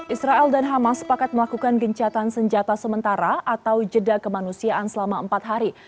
israel dan hamas sepakat melakukan gencatan senjata sementara atau jeda kemanusiaan selama empat hari